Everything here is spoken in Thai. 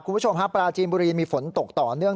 คุณผู้ชมฮะปราจีนบุรีมีฝนตกต่อเนื่อง